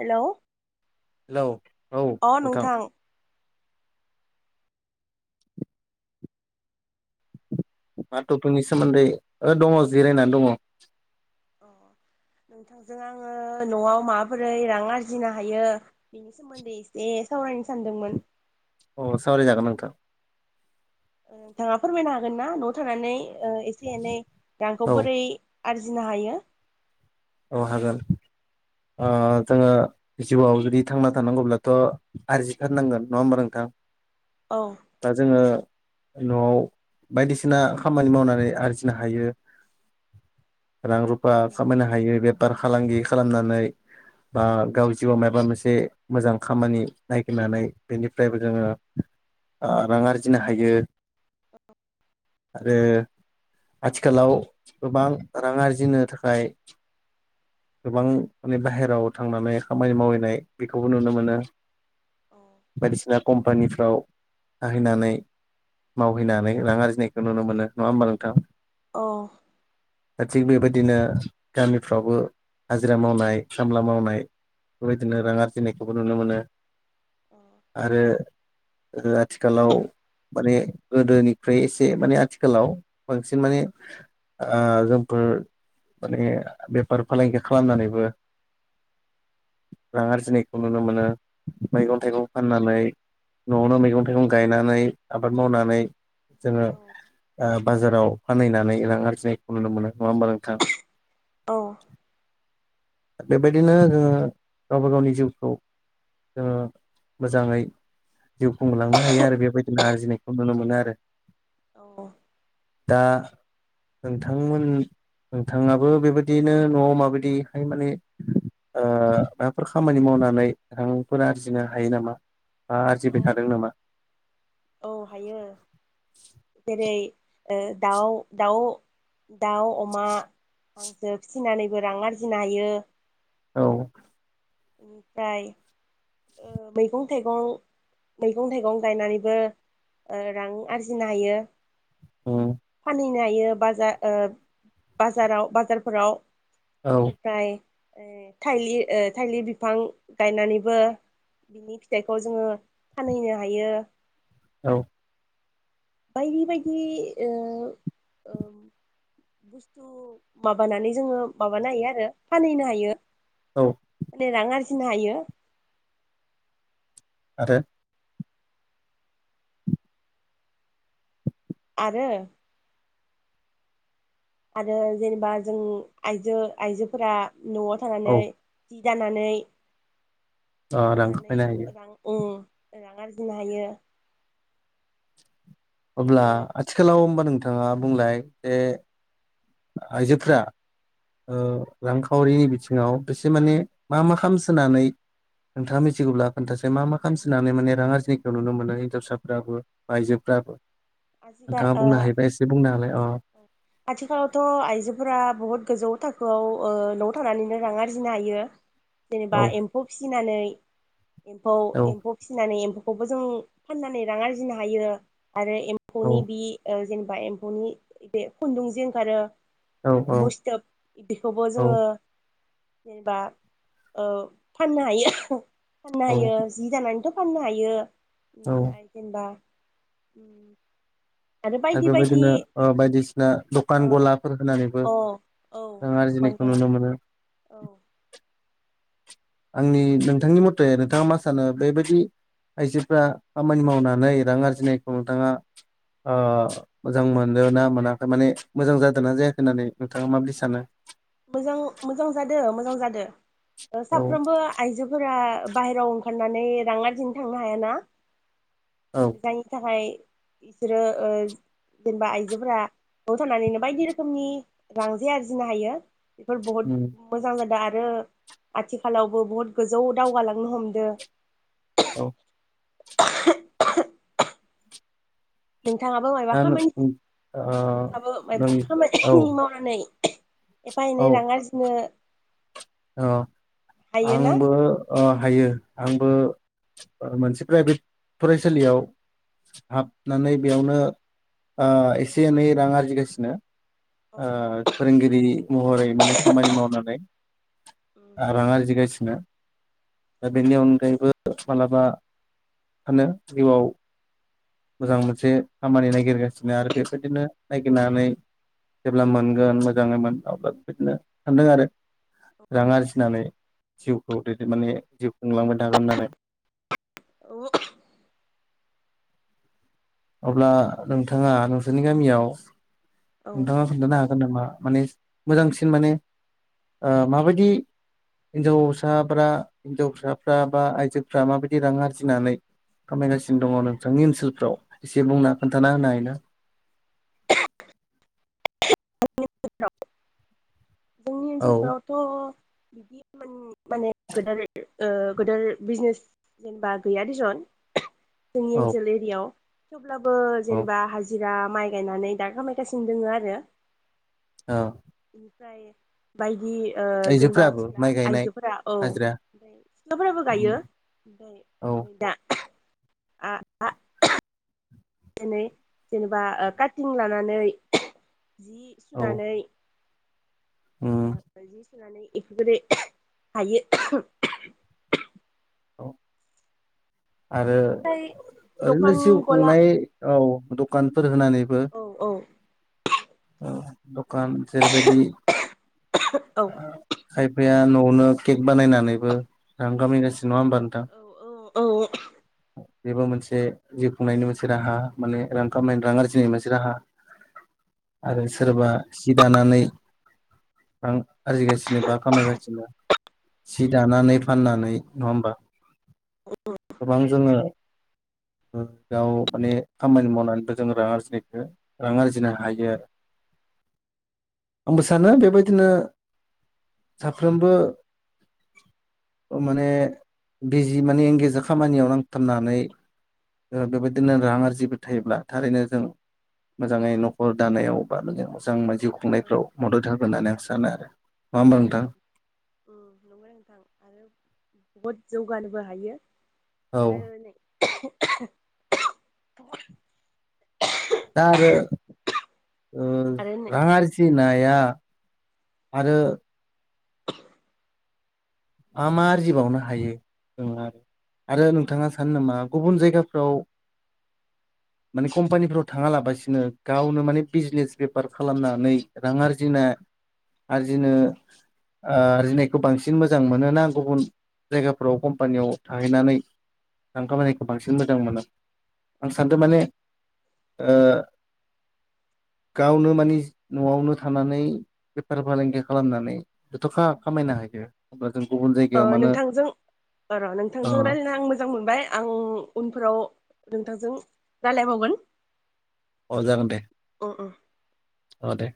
Hello hello औ नोंथां बाथौफोरनि सोमोन्दै ओ दङ जिरायनानै दङ। नोंथांजों आङो न'आव माबोरै रां आरजिनो हायो बेनि सोमोन्दै एसे सावरायनो सानदोंमोन। अ सावराय जागोन नोंथां। नोंथाङा फोरमायनो हागोन ना न'आव थानानै एसे एनै रांखौ औ बोरै आरजिनो हायो औ हागोन जोङो जिउआव जुदि थांना थानांगौब्लाथ' आरजि थारनांगोन नङा होमबा नोंथां? औ दा जोङो न'आव बायदिसिना खामानि मावनानै आरजिनो हायो। रां रुफा खामायनो हायो। बेफार फालांगि खालामनानै बा गाव जिउआव माबा मोनसे मोजां खामानि नायगिरनानै बेनिफ्रायबो जोङो रां आरजिनो हायो। औ आरो आथिखालाव गोबां रां आरजिनो थाखाय गोबां माने बाहेरायाव थांनानै खामानि मावहैनाय बेखौबो नुनो मोनो। औ बायदिसिना कम्पानिफ्राव थाहैनानै मावहैनानै रां आरजिनायखौ नुनो मोनो नङा होनबा नोंथां? औ दा थिग बेबायदिनो गामिफ्रावबो हाजिरा मावनाय खामला मावनाय बेबायदिनो रां आरजिनायखौबो नुनो मोनो। आरो आथिखालाव माने गोदोनिख्रुइ एसे माने आथिखालाव बांसिन माने आं जोंफोर माने बेफार फालांगि खालामनानैबो रां आरजिनायखौ नुनो मोनो औ मैगं थाइगं फाननानै न'आवनो मैगं थाइगं गायनानै आबाद मावनानै जोङो ओ बाजाराव फाननानै रां आरजिनायखौ नुनो मोनो नङा होमबा नोंथां? औ बेबायदिनो जोङो गावबा गावनि जिउखौ जोङो मोजाङै जिउ खुंलांनो हायो। आरो बेबायदिनो आर्जिनायखौ नुनो मोनो आरो औ दा नोंथांमोन नोंथाङा बो बेबायदिनो न'आव माबायदिहाय माने माबाफोर खामानि मावनानै रांफोर आरजिनो हायो नामा? मा आरजिबाय थादों नामा? औ हायो जेरै ओ दाउ दाउ दाउ, अमा, हांसो फिसिनानैबो रां आरजिनो हायो। औ फ्राय ओ मैगं थाइगं मैगं थाइगं गायनानैबो ओ रां आरजिनो हायो। उम नो हायो बाजार ओ बाजाराव बाजारफोराव औ बिनिफ्राय थाइलि ओ थाइलि बिफां गायनानैबो बिनि फिथाइखौ जोङो फानहैनो हायो। औ बायदि बायदि ओ बुस्थु माबानानै जोङो माबानो हायो आरो फानहैनो हायो। औ नि रां आरजि जिनो हायो। आरो आरो आरो जेनेबा जों आइजो आइजोफोरा न'आव थानानै औ जानानै ओ दि रां जानानै खामायनो हायो रां ओ रां आरजिनो हायो। अब्ला आरो आथिखालाव होमबा नोंथां। थाङा बुंलाय जे आयजोफ्रा ओ रांखावरिनि बिथिङाव एसे माने मा मा खामसोनानै नोंथाङा मिथिगौब्ला खोन्थासै मा मा खामसोनानै माने रां आरजिनायखौ नुनो मोनो हिनजावसाफोराबो बा आइजोफ्राबो आजिखा नोंथाङा ओ बुंनो हायोबा एसे बुंनो हालाय अ आथिखालावथ' आइजोफोरा बहुत गोजौ थाखो खौ न'आव थानानैनो रां आरजिनो हायो। औ जेनेबा एम्फौ फिसिनानै एम्फौ औ एम्फौ फिसिनानै एम्फौ खौबो जों फाननानै रां आरजिनो हायो आरो ए औ हनि बि ओ जेनेबा एम्फौनि बे खुन्दुंजों ओंखारो। औ औ एम्फौ स्थोब बेखौबो औ जोङो जेनेबा ओ फाननो हायो। फान्नो औ हायो जि दानानैथ' फाननो हायो। औ बेनिफ्राय जेनबा उम बायदि आरो बायदि बायदिनो ओ बायदिस ना ओ दकान गलाफोर होनानैबो औ औ जों दखान आरजिनायखौ गला नुनो मोनो। औ आंनि नोंथांनि मटे नोंथाङा मा सानो बेबायदि आइजोफ्रा खामानि मावनानै रां आरजिनायखौ नोंथाङा ओ मोजां मोनदो ना मोनाखै माने मोजां जादोना जायाखै होननानै नोंथाङा मादि सानो? मोजां मोजां जादो मोजां जादो। ओ औ साफ्रोमबो आइजोफोरा बाहेराव हरनानै रां आरजिनो थांनो हायाना? औ जायनि थाखाय इसोरो ओ जेनबा आइजोफोरा न'आव थानानैनो बायदि रोखोमनि रां जे आरजिनो हायो। बेफोर बहुत उम मोजां जादों आथ रो आथिखालावबो बुहुत गोजौ दावगालांनो हमदो। औ नोंथाङाबो मायबा दा नों खामानि ओ नोंथाङाबो नों मायबा खामानि औ मावनानै एफा एनै रां आरजिनो [unintelligible] अ हायोना आंबो ओ हायो। आंबो ओ मोनसे प्राइभेट फरायसालियाव हाबनानै बेयावनो ओ एसे एनै रां आरजिगासिनो। औ ओ फोरोंगिरि महरै माने खामानि मावनानै। उम आं रां आरजिगासिनो। औ दा बेनि अनगायैबो मालाबा सानो जिउआव मोजां मोनसे खामानि नायगिरगासिनो आरो बेबायदिनो नायगिरनानै जेब्ला मोनगोन मोजाङै मोनबावब्ला बेदिनो सानदों आरो औ रां आरजिनानै जिउखौ दैदेन माने जिउ खुंलांबाय थागोन होननानै। औ अ [unintelligible] अब्ला नोंथाङा नोंसोरनि गामियाव औ नोंथाङा खोन्थानो हागोन नामा? मानेस मोजांसिन माने ओ माबायदि हिन्जावसाफ्रा हिन्जावसाफ्रा बा आइजोफ्रा माबायदि रां आरजिनानै खामायगासिनो दङ नोंथांनि ओनसोलफ्राव? एसे बुंना खोन्थाना होनो हायोना? जोंनि ओनसोलाव [unintelligible] जोंनि औ ओनसोलफोरावथ' बिदि एमान माने गोदोर ओ गोदोर बिजनेस जेनेबा गैया देसन जोंनि औ ओनसोल एरियाव। अब्लाबो औ जेनेबा हाजिर जा माइ गायनानै दा खामायगासिनो दोङो आरो औ। बाय बिदि जेनेबा आइजोफोराबो सिख्ला माइ गायनाय आइजोफोरा औ हाजिरा ओमफ्राय सिख्लाफोराबो गायो ओमफ्राय औ दा आ आ। दिनै जेनेबा काटिं लानानै जि औ सुनानै उम ओ। सुनानै बेफोरबायदि हायो औ। आरो ओमफ्राय ओरैनो दखान जिउ गला खुंनाय औ। दखानफोर होनानैबो औ [unintelligible] दखान जेरैबायदि औ। बा न'आवनो केक बानायनानैबो रां खामिगासिनो औ औ औ। बेबो मोनसे जिउ खुंनायनि मोनसे राहा माने रां खामनायनि रां आरजिनायनि मोनसे राहा आरो सोरबा सि दानानै रां आरजिगासिनो बा खामायगासिनो सि दानानै फाननानै नङा होनबा? औ गोबां जोङो गाव माने खामानि मावनानैबो जो रां आरजिनायखौ रां आरजि बुजिनो हायो आरो। आंबो सानो बेबायदि बिदिनो साफ्रोमबो माने बिजि माने एंगेजा खामानियाव नांथाबनानै बेबायदिनो रां आरजिबो थायोब्ला थारैनो जों मोजाङै न'खर दानायाव बा माने मोजां मानसि जिउ खुंनायफ्राव मदद होगोन होननानै आं सानो आरो। होमबा नोंथां नंगौ नोंथां आरो बहुद जौगानोबो हायो। औ आरो नै [unintelligible] दा आरो ओ आरो नै रां आरजिनाय नाया आरो [unintelligible] मा -मा आरजिबावनो हायो आरो आरो नोंथाङा सानो नामा गुबुन जायगाफ्राव माने कम्पानिफ्राव थाङा लाबासिनो गावनो माने बिजनेस बेफार खालामनानै रां आरजिनाय -आरजिनो- आरजिनायखौ बांसिन मो मोजां मोनोना गुबुन जायगाफोराव कम्पानियाव थाहैनानै आं खामानिखौ बांसिन मोजां मोनो। आं सानदों माने ओ गावनो मानि न'आवनो थानानै बेफार फालांगि खालामनानै जथ'खा खामायनो हायो। [unintelligible] ओ जायगायाव मानो नोंथांजों र' अ नोंथांजों रायज्लायना आं मोजां मोनबाय आं उनफोराव नोंथांजों रालायबावगोन। अ जागोन दे। अ अ अ दे।